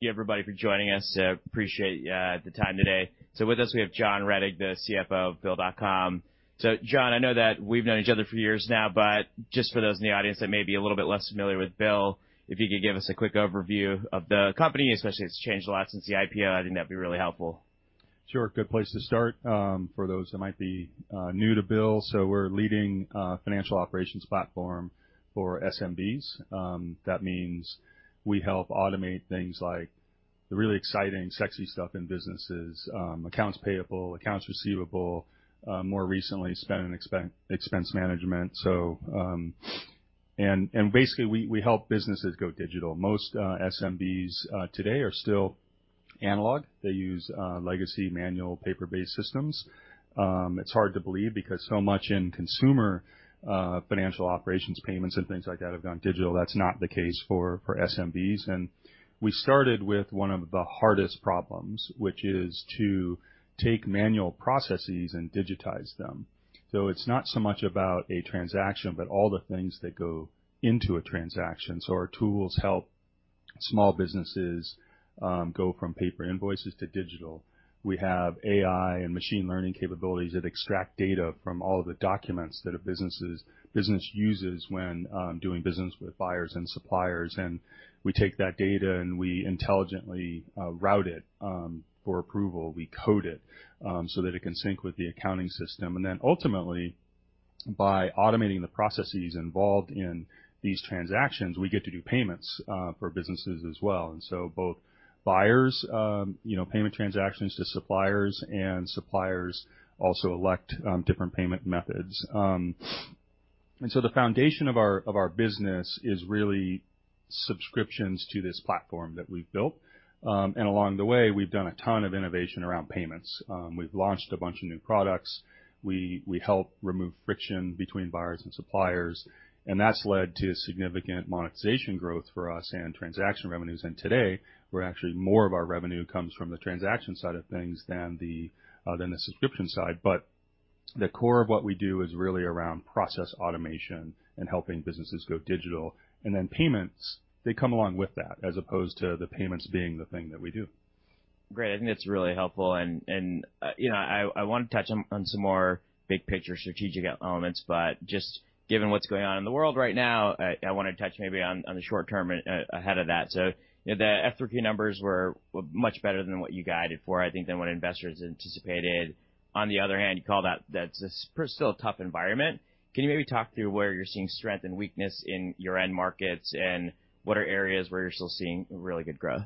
Thank you, everybody, for joining us. Appreciate the time today. With us, we have John Rettig, the CFO of Bill.com. John, I know that we've known each other for years now, but just for those in the audience that may be a little bit less familiar with Bill, if you could give us a quick overview of the company, especially it's changed a lot since the IPO, I think that'd be really helpful. Sure. Good place to start, for those that might be new to Bill, we're leading financial operations platform for SMBs. That means we help automate things like the really exciting, sexy stuff in businesses, accounts payable, accounts receivable, more recently, spend and expense management. Basically, we help businesses go digital. Most SMBs today are still analog. They use legacy manual paper-based systems. It's hard to believe because so much in consumer financial operations, payments and things like that have gone digital. That's not the case for SMBs. We started with one of the hardest problems, which is to take manual processes and digitize them. It's not so much about a transaction, but all the things that go into a transaction. Our tools help small businesses go from paper invoices to digital. We have AI and machine learning capabilities that extract data from all the documents that a business uses when doing business with buyers and suppliers, and we take that data, and we intelligently route it for approval. We code it so that it can sync with the accounting system, and then ultimately, by automating the processes involved in these transactions, we get to do payments for businesses as well. Both buyers, you know, payment transactions to suppliers, and suppliers also elect different payment methods. The foundation of our, of our business is really subscriptions to this platform that we've built. Along the way, we've done a ton of innovation around payments. We've launched a bunch of new products. We help remove friction between buyers and suppliers, that's led to significant monetization growth for us and transaction revenues. Today, we're actually more of our revenue comes from the transaction side of things than the subscription side. The core of what we do is really around process automation and helping businesses go digital, and then payments, they come along with that as opposed to the payments being the thing that we do. Great. I think that's really helpful. You know, I want to touch on some more big picture strategic elements, but just given what's going on in the world right now, I wanna touch maybe on the short term ahead of that. The F3Q numbers were much better than what you guided for, I think, than what investors anticipated. On the other hand, you call that that's still a tough environment. Can you maybe talk through where you're seeing strength and weakness in your end markets, and what are areas where you're still seeing really good growth?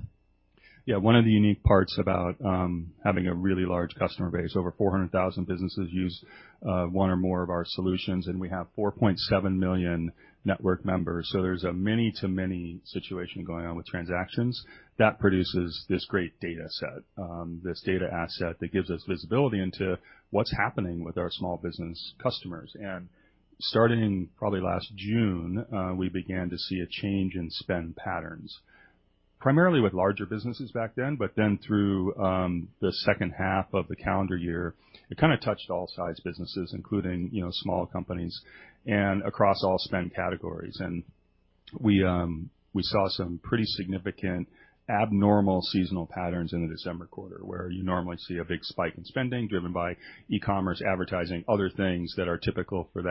Yeah. One of the unique parts about having a really large customer base, over 400,000 businesses use one or more of our solutions, and we have 4.7 million network members. There's a many to many situation going on with transactions. That produces this great data set, this data asset that gives us visibility into what's happening with our small business customers. Starting in probably last June, we began to see a change in spend patterns, primarily with larger businesses back then. Then through the second half of the calendar year, it kinda touched all size businesses, including, you know, small companies and across all spend categories. We saw some pretty significant abnormal seasonal patterns in the December quarter, where you normally see a big spike in spending, driven by e-commerce, advertising, other things that are typical for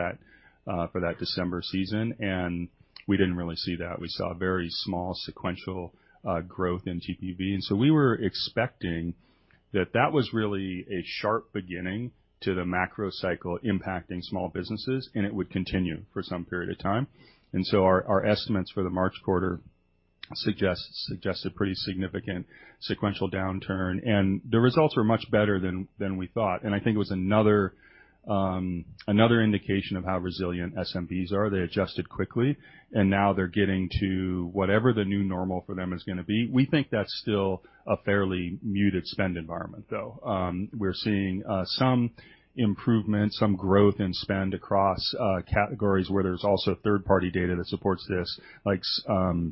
that December season, we didn't really see that. We saw a very small sequential growth in TPV. We were expecting that that was really a sharp beginning to the macro cycle impacting small businesses, it would continue for some period of time. Our estimates for the March quarter suggests a pretty significant sequential downturn, the results were much better than we thought, I think it was another indication of how resilient SMBs are. They adjusted quickly, now they're getting to whatever the new normal for them is gonna be. We think that's still a fairly muted spend environment, though. We're seeing some improvement, some growth in spend across categories where there's also third-party data that supports this, like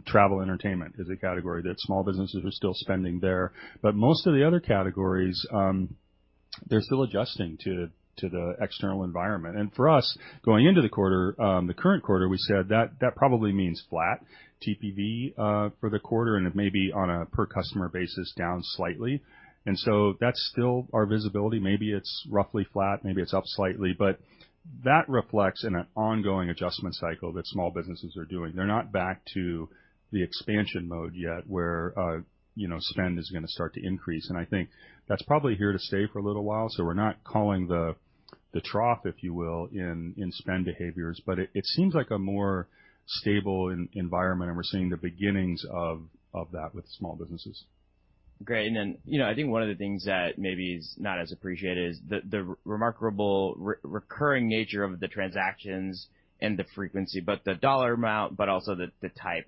travel, entertainment is a category that small businesses are still spending there. Most of the other categories, they're still adjusting to the external environment. For us, going into the quarter, the current quarter, we said that that probably means flat TPV for the quarter, and it may be on a per customer basis, down slightly. That's still our visibility. Maybe it's roughly flat, maybe it's up slightly, but that reflects in an ongoing adjustment cycle that small businesses are doing. They're not back to the expansion mode yet, where, you know, spend is gonna start to increase. I think that's probably here to stay for a little while, so we're not calling the trough, if you will, in spend behaviors, but it seems like a more stable environment, and we're seeing the beginnings of that with small businesses. Great. You know, I think one of the things that maybe is not as appreciated is the remarkable recurring nature of the transactions and the frequency, but the dollar amount, but also the type.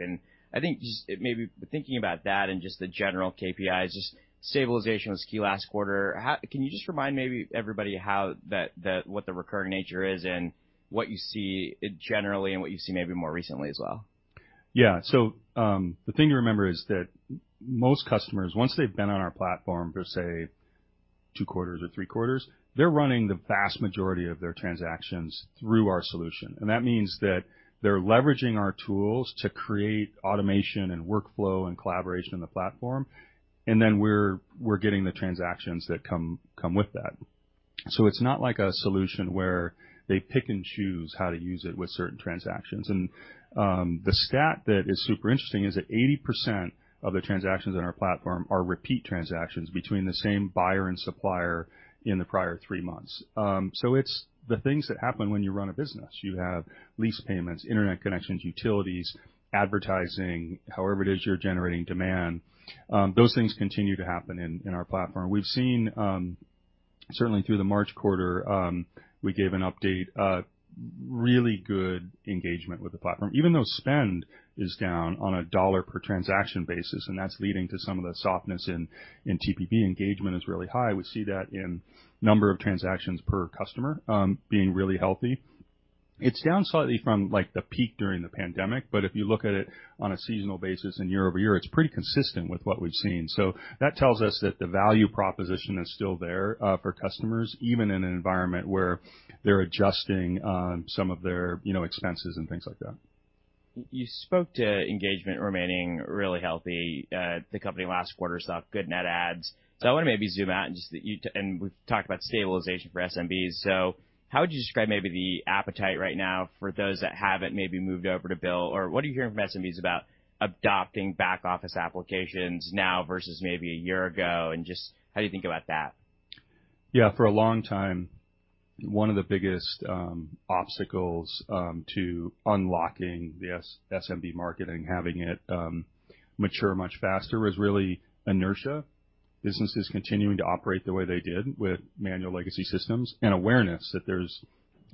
I think just maybe thinking about that and just the general KPIs, just stabilization was key last quarter. Can you just remind maybe everybody how that, what the recurring nature is and what you see generally and what you see maybe more recently as well? Yeah. The thing to remember is that most customers, once they've been on our platform for two quarters or three quarters, they're running the vast majority of their transactions through our solution. That means that they're leveraging our tools to create automation and workflow and collaboration in the platform, then we're getting the transactions that come with that. It's not like a solution where they pick and choose how to use it with certain transactions. The stat that is super interesting is that 80% of the transactions on our platform are repeat transactions between the same buyer and supplier in the prior three months. It's the things that happen when you run a business. You have lease payments, internet connections, utilities, advertising, however it is you're generating demand, those things continue to happen in our platform. We've seen, certainly through the March quarter, we gave an update, a really good engagement with the platform, even though spend is down on a dollar per transaction basis, and that's leading to some of the softness in TPV, engagement is really high. We see that in number of transactions per customer, being really healthy. It's down slightly from, like, the peak during the pandemic, but if you look at it on a seasonal basis and year-over-year, it's pretty consistent with what we've seen. That tells us that the value proposition is still there, for customers, even in an environment where they're adjusting, some of their, you know, expenses and things like that. You spoke to engagement remaining really healthy. The company last quarter saw good net adds. I wanna maybe zoom out and just we've talked about stabilization for SMBs. How would you describe maybe the appetite right now for those that haven't maybe moved over to Bill? What are you hearing from SMBs about adopting back office applications now versus maybe a year ago, and just how do you think about that? Yeah, for a long time, one of the biggest obstacles to unlocking the SMB market and having it mature much faster was really inertia. Businesses continuing to operate the way they did with manual legacy systems and awareness that there's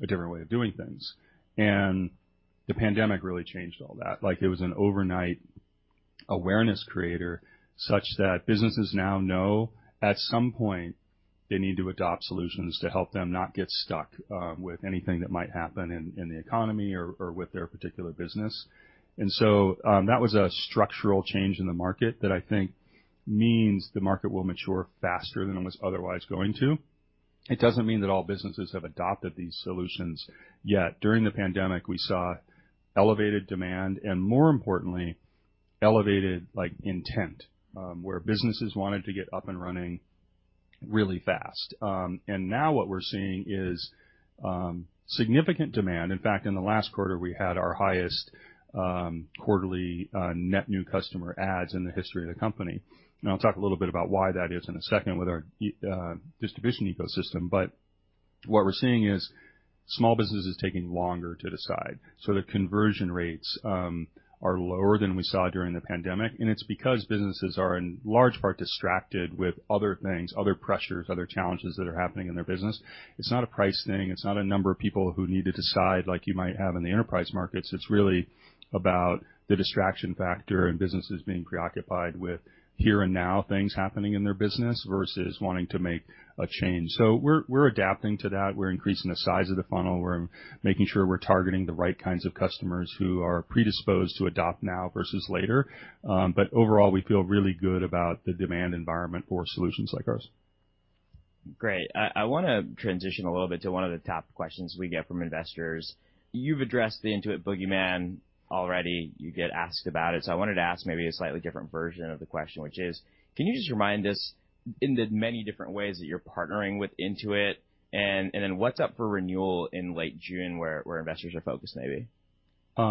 a different way of doing things. The pandemic really changed all that. Like, it was an overnight awareness creator, such that businesses now know at some point they need to adopt solutions to help them not get stuck with anything that might happen in the economy or with their particular business. That was a structural change in the market that I think means the market will mature faster than it was otherwise going to. It doesn't mean that all businesses have adopted these solutions yet. During the pandemic, we saw elevated demand and, more importantly, elevated, like, intent, where businesses wanted to get up and running really fast. Now what we're seeing is significant demand. In fact, in the last quarter, we had our highest quarterly net new customer adds in the history of the company. I'll talk a little bit about why that is in a second with our distribution ecosystem. What we're seeing is small businesses taking longer to decide. The conversion rates are lower than we saw during the pandemic, and it's because businesses are, in large part, distracted with other things, other pressures, other challenges that are happening in their business. It's not a price thing. It's not a number of people who need to decide, like you might have in the enterprise markets. It's really about the distraction factor and businesses being preoccupied with here and now things happening in their business versus wanting to make a change. We're adapting to that. We're increasing the size of the funnel. We're making sure we're targeting the right kinds of customers who are predisposed to adopt now versus later. Overall, we feel really good about the demand environment for solutions like ours. Great. I wanna transition a little bit to one of the top questions we get from investors. You've addressed the Intuit boogeyman already. You get asked about it, so I wanted to ask maybe a slightly different version of the question, which is: Can you just remind us in the many different ways that you're partnering with Intuit, and then what's up for renewal in late June, where investors are focused, maybe?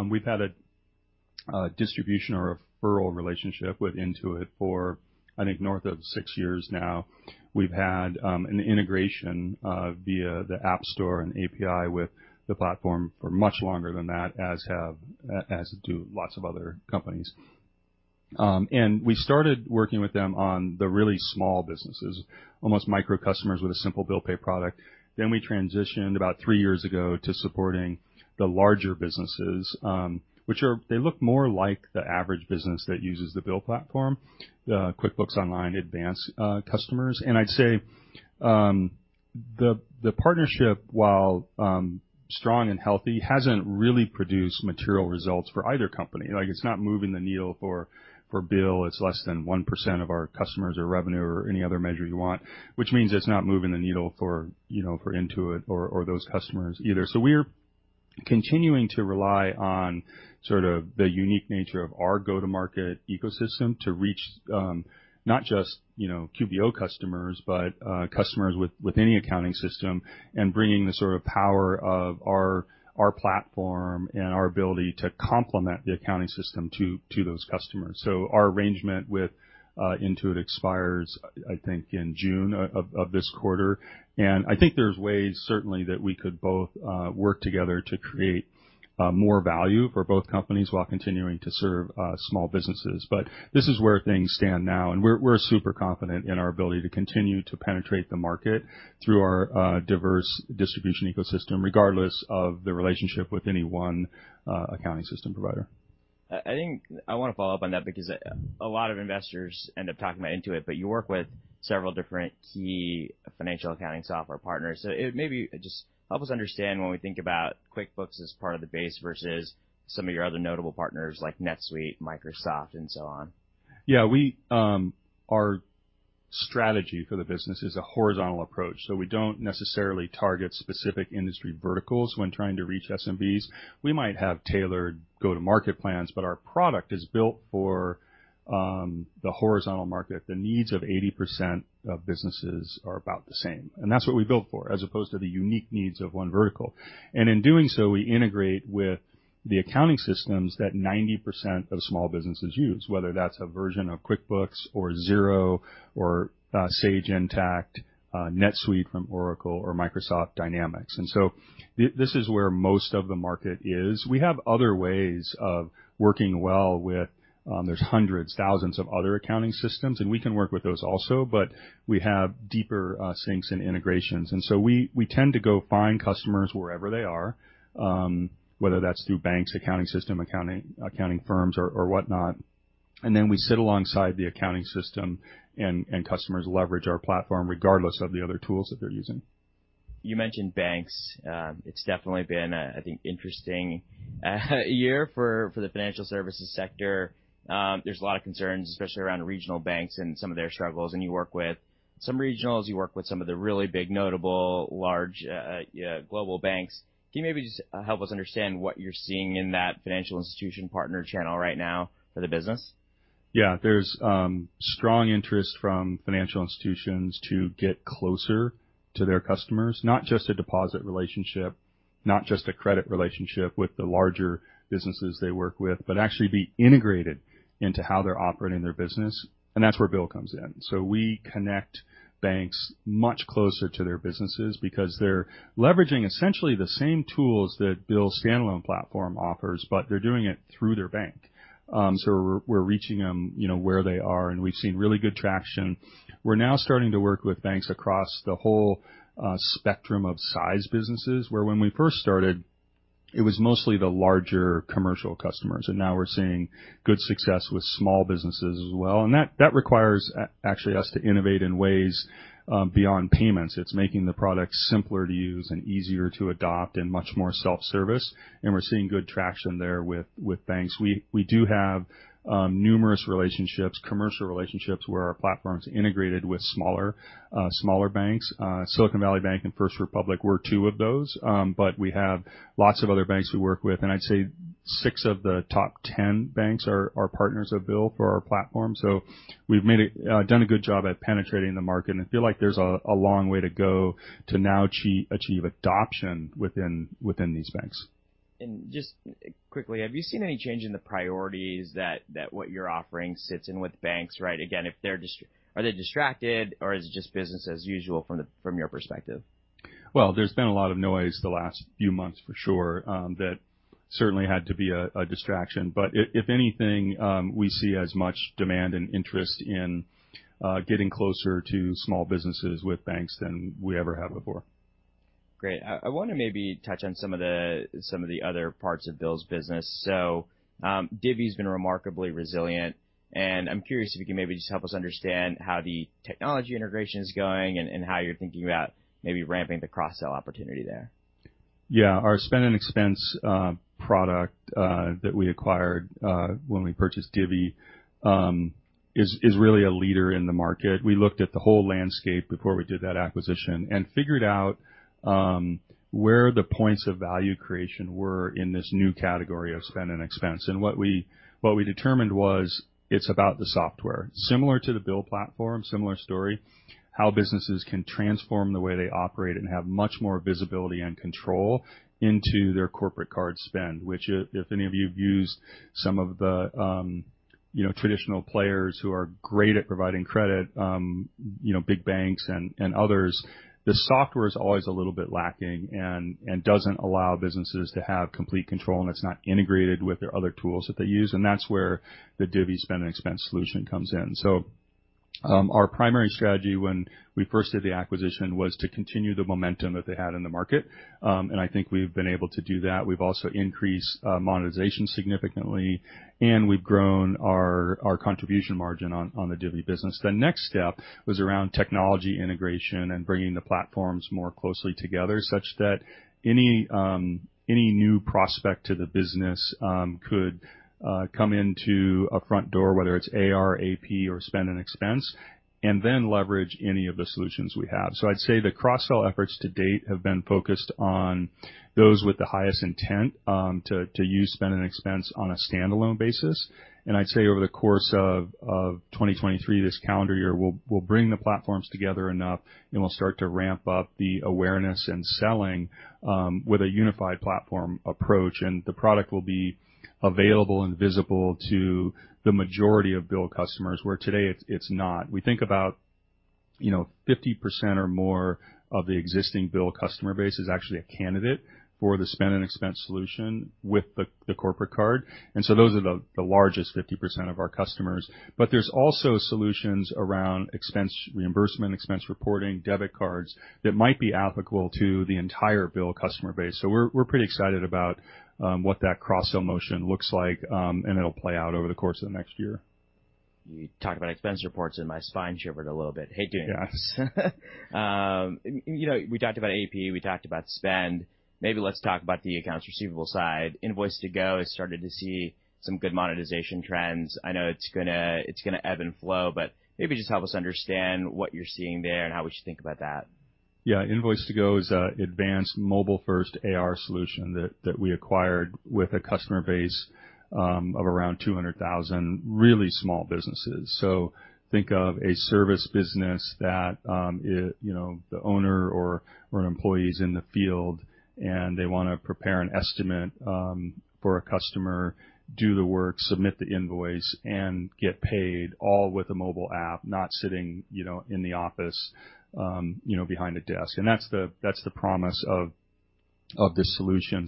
We've had a distribution or referral relationship with Intuit for, I think, north of six years now. We've had an integration via the App Store and API with the platform for much longer than that, as do lots of other companies. We started working with them on the really small businesses, almost micro customers with a simple bill pay product. We transitioned about three years ago to supporting the larger businesses. They look more like the average business that uses the Bill platform, QuickBooks Online Advanced customers. I'd say the partnership, while strong and healthy, hasn't really produced material results for either company. Like, it's not moving the needle for Bill. It's less than 1% of our customers or revenue or any other measure you want, which means it's not moving the needle for, you know, for Intuit or those customers either. We are continuing to rely on sort of the unique nature of our go-to-market ecosystem to reach, not just, you know, QBO customers, but customers with any accounting system, and bringing the sort of power of our platform and our ability to complement the accounting system to those customers. Our arrangement with Intuit expires, I think, in June of this quarter, and I think there's ways, certainly, that we could both work together to create more value for both companies while continuing to serve small businesses. This is where things stand now, and we're super confident in our ability to continue to penetrate the market through our diverse distribution ecosystem, regardless of the relationship with any one accounting system provider. I think I wanna follow up on that because a lot of investors end up talking about Intuit, but you work with several different key financial accounting software partners. It maybe just help us understand when we think about QuickBooks as part of the base versus some of your other notable partners like NetSuite, Microsoft, and so on. We strategy for the business is a horizontal approach. We don't necessarily target specific industry verticals when trying to reach SMBs. We might have tailored go-to-market plans, but our product is built for the horizontal market. The needs of 80% of businesses are about the same, and that's what we build for, as opposed to the unique needs of one vertical. In doing so, we integrate with the accounting systems that 90% of small businesses use, whether that's a version of QuickBooks or Xero or Sage Intacct, NetSuite from Oracle or Microsoft Dynamics. This is where most of the market is. We have other ways of working well with, there's hundreds, thousands of other accounting systems, and we can work with those also, but we have deeper, sinks and integrations, and so we tend to go find customers wherever they are, whether that's through banks, accounting system, accounting firms or whatnot. Then we sit alongside the accounting system, and customers leverage our platform regardless of the other tools that they're using. You mentioned banks. It's definitely been a, I think, interesting year for the financial services sector. There's a lot of concerns, especially around regional banks and some of their struggles, and you work with some regionals. You work with some of the really big, notable, large global banks. Can you maybe just help us understand what you're seeing in that financial institution partner channel right now for the business? Yeah. There's strong interest from financial institutions to get closer to their customers, not just a deposit relationship, not just a credit relationship with the larger businesses they work with, but actually be integrated into how they're operating their business, and that's where Bill comes in. We connect banks much closer to their businesses because they're leveraging essentially the same tools that Bill's standalone platform offers, but they're doing it through their bank. We're reaching them, you know, where they are. We've seen really good traction. We're now starting to work with banks across the whole spectrum of size businesses, where when we first started, it was mostly the larger commercial customers, and now we're seeing good success with small businesses as well. That requires actually us to innovate in ways beyond payments. It's making the product simpler to use and easier to adopt and much more self-service. We're seeing good traction there with banks. We do have numerous relationships, commercial relationships, where our platform's integrated with smaller banks. Silicon Valley Bank and First Republic were two of those, but we have lots of other banks we work with, and I'd say six of the top 10 banks are partners of Bill for our platform. We've done a good job at penetrating the market, and I feel like there's a long way to go to now achieve adoption within these banks. Just, quickly, have you seen any change in the priorities that what you're offering sits in with banks, right? Again, if they're distracted or is it just business as usual from the, from your perspective? Well, there's been a lot of noise the last few months, for sure, that certainly had to be a distraction. If anything, we see as much demand and interest in getting closer to small businesses with banks than we ever have before. Great. I wanna maybe touch on some of the, some of the other parts of BILL's business. Divvy's been remarkably resilient, and I'm curious if you can maybe just help us understand how the technology integration is going and how you're thinking about maybe ramping the cross-sell opportunity there. Yeah. Our spend and expense product that we acquired when we purchased Divvy is really a leader in the market. We looked at the whole landscape before we did that acquisition and figured out where the points of value creation were in this new category of spend and expense, and what we determined was it's about the software. Similar to the Bill platform, similar story, how businesses can transform the way they operate and have much more visibility and control into their corporate card spend, which if any of you've used some of the, you know, traditional players who are great at providing credit, you know, big banks and others, the software is always a little bit lacking and doesn't allow businesses to have complete control, and it's not integrated with their other tools that they use, and that's where the Divvy spend and expense solution comes in. Our primary strategy when we first did the acquisition was to continue the momentum that they had in the market, and I think we've been able to do that. We've also increased monetization significantly, and we've grown our contribution margin on the Divvy business. The next step was around technology integration and bringing the platforms more closely together, such that any new prospect to the business, could come into a front door, whether it's AR, AP, or spend and expense, and then leverage any of the solutions we have. I'd say the cross-sell efforts to date have been focused on those with the highest intent to use spend and expense on a standalone basis. I'd say over the course of 2023, this calendar year, we'll bring the platforms together enough, and we'll start to ramp up the awareness and selling with a unified platform approach, and the product will be available and visible to the majority of Bill customers, where today it's not. We think about, you know, 50% or more of the existing Bill customer base is actually a candidate for the spend and expense solution with the corporate card. Those are the largest 50% of our customers. There's also solutions around expense reimbursement, expense reporting, debit cards, that might be applicable to the entire Bill customer base. We're pretty excited about what that cross-sell motion looks like, and it'll play out over the course of the next year. You talked about expense reports, and my spine shivered a little bit. Hate doing those. Yes. You know, we talked about AP, we talked about spend. Maybe let's talk about the accounts receivable side. Invoice2go has started to see some good monetization trends. I know it's gonna ebb and flow, but maybe just help us understand what you're seeing there and how we should think about that. Invoice2go is an advanced mobile-first AR solution that we acquired with a customer base of around 200,000 really small businesses. Think of a service business that, you know, the owner or an employee is in the field, and they wanna prepare an estimate for a customer, do the work, submit the invoice, and get paid all with a mobile app, not sitting, you know, in the office, you know, behind a desk. That's the promise of this solution.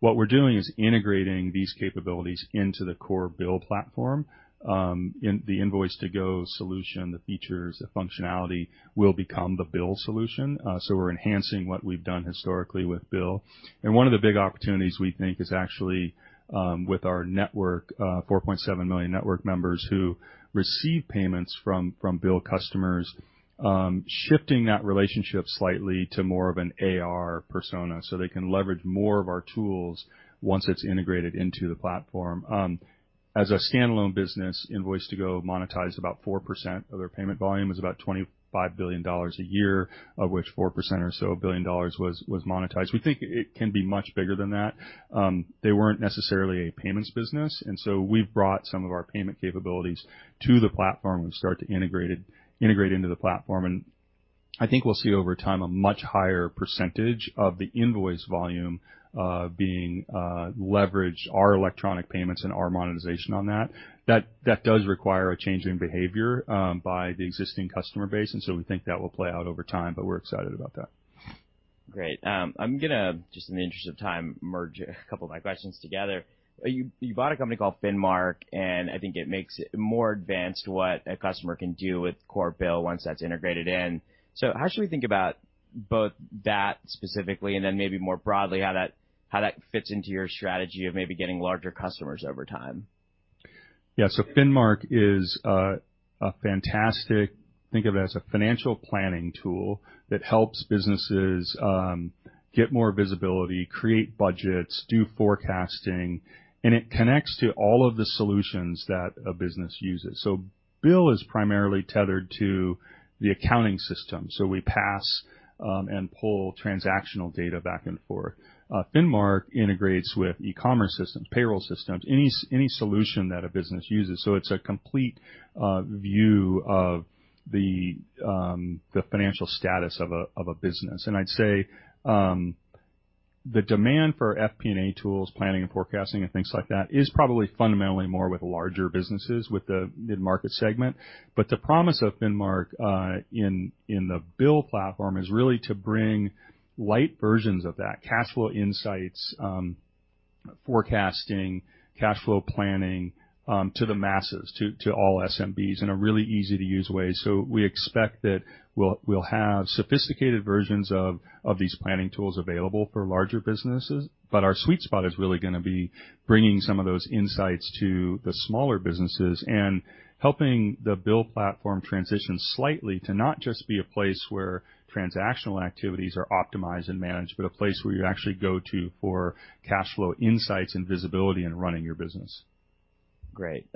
What we're doing is integrating these capabilities into the core BILL platform. In the Invoice2go solution, the features, the functionality will become the BILL solution. We're enhancing what we've done historically with Bill. One of the big opportunities we think is actually, with our network, 4.7 million network members who receive payments from BILL customers, shifting that relationship slightly to more of an AR persona, so they can leverage more of our tools once it's integrated into the platform. As a standalone business, Invoice2go monetized about 4% of their payment volume. It's about $25 billion a year, of which 4% or so, $1 billion was monetized. We think it can be much bigger than that. They weren't necessarily a payments business, and so we've brought some of our payment capabilities to the platform and start to integrate into the platform, and I think we'll see over time, a much higher percentage of the invoice volume, being leverage our electronic payments and our monetization on that. That does require a change in behavior by the existing customer base, and so we think that will play out over time, but we're excited about that. Great. I'm gonna, just in the interest of time, merge a couple of my questions together. You bought a company called Finmark, and I think it makes it more advanced what a customer can do with core Bill once that's integrated in. How should we think about both that specifically, and then maybe more broadly, how that fits into your strategy of maybe getting larger customers over time? Yeah. Finmark is a fantastic. Think of it as a financial planning tool that helps businesses get more visibility, create budgets, do forecasting, and it connects to all of the solutions that a business uses. Bill is primarily tethered to the accounting system, so we pass and pull transactional data back and forth. Finmark integrates with e-commerce systems, payroll systems, any solution that a business uses. It's a complete view of the financial status of a business. I'd say the demand for FP&A tools, planning and forecasting and things like that, is probably fundamentally more with larger businesses, with the mid-market segment. The promise of Finmark in the Bill platform is really to bring light versions of that, cash flow insights, forecasting, cash flow planning, to the masses, to all SMBs in a really easy-to-use way. We expect that we'll have sophisticated versions of these planning tools available for larger businesses, but our sweet spot is really gonna be bringing some of those insights to the smaller businesses and helping the Bill platform transition slightly to not just be a place where transactional activities are optimized and managed, but a place where you actually go to for cash flow, insights, and visibility in running your business. Great.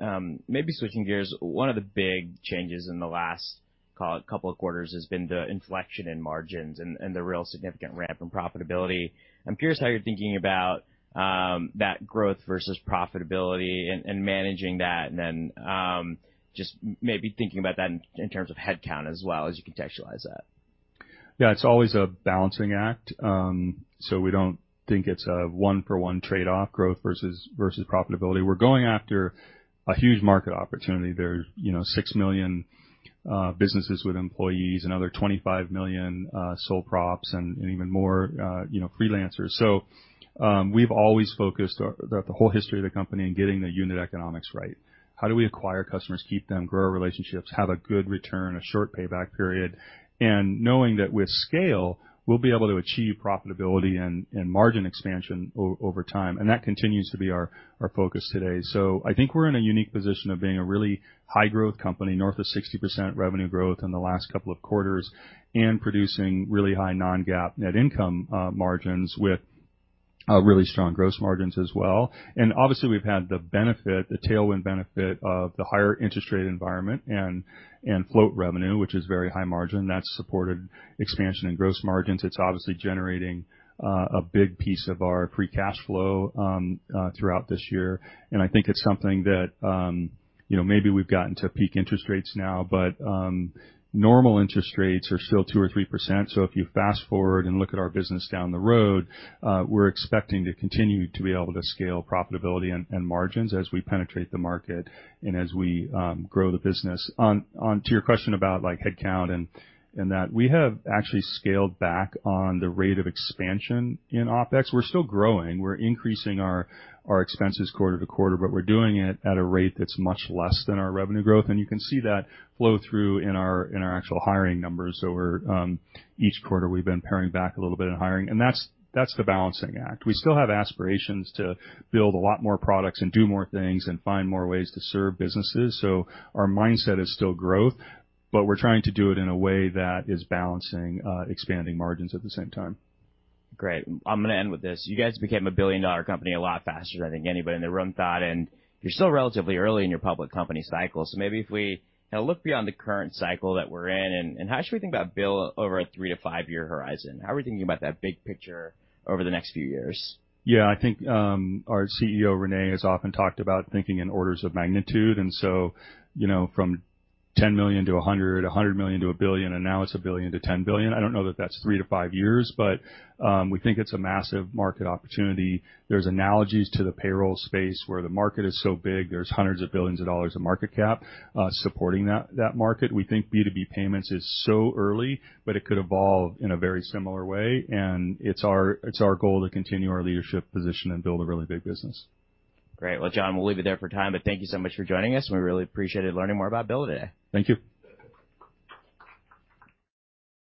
Maybe switching gears. One of the big changes in the last, call it couple of quarters, has been the inflection in margins and the real significant ramp in profitability. I'm curious how you're thinking about that growth versus profitability and managing that, and then just maybe thinking about that in terms of headcount as well, as you contextualize that. Yeah, it's always a balancing act. We don't think it's a one-for-one trade-off, growth versus profitability. We're going after a huge market opportunity. There are, you know, 6 million businesses with employees, another 25 million sole props and even more, you know, freelancers. We've always focused throughout the whole history of the company in getting the unit economics right. How do we acquire customers, keep them, grow relationships, have a good return, a short payback period, and knowing that with scale, we'll be able to achieve profitability and margin expansion over time. That continues to be our focus today. I think we're in a unique position of being a really high growth company, north of 60% revenue growth in the last couple of quarters, and producing really high non-GAAP net income margins with really strong gross margins as well. Obviously, we've had the benefit, the tailwind benefit of the higher interest rate environment and float revenue, which is very high margin. That supported expansion and gross margins. It's obviously generating a big piece of our free cash flow throughout this year. I think it's something that, you know, maybe we've gotten to peak interest rates now, but normal interest rates are still 2% or 3%. If you fast forward and look at our business down the road, we're expecting to continue to be able to scale profitability and margins as we penetrate the market and as we grow the business. On to your question about, like, headcount and that, we have actually scaled back on the rate of expansion in OpEx. We're still growing. We're increasing our expenses quarter-to-quarter, we're doing it at a rate that's much less than our revenue growth, you can see that flow through in our actual hiring numbers. Each quarter, we've been paring back a little bit in hiring, and that's the balancing act. We still have aspirations to build a lot more products and do more things and find more ways to serve businesses. Our mindset is still growth. We're trying to do it in a way that is balancing expanding margins at the same time. Great. I'm gonna end with this. You guys became a billion-dollar company a lot faster than I think anybody in the room thought, and you're still relatively early in your public company cycle. Maybe if we kind of look beyond the current cycle that we're in, and how should we think about Bill over a three to five-year horizon? How are we thinking about that big picture over the next few years? Yeah. I think our CEO, René, has often talked about thinking in orders of magnitude, and so, you know, from $10 million to $100 million, $100 million to $1 billion, and now it's $1 billion to $10 billion. I don't know that that's 3-5 years, but we think it's a massive market opportunity. There's analogies to the payroll space, where the market is so big, there's hundreds of billions of dollars of market cap supporting that market. We think B2B payments is so early, but it could evolve in a very similar way, and it's our, it's our goal to continue our leadership position and build a really big business. Great. Well, John, we'll leave it there for time, but thank you so much for joining us, and we really appreciated learning more about Bill today. Thank you.